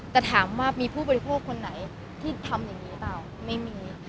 แต่ถามว่ามีผู้บริโภคคนไหนที่ทำอย่างนี้เปล่าไม่มี